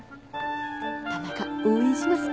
田中応援します